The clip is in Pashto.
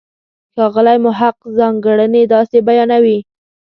ښاغلی محق ځانګړنې داسې بیانوي.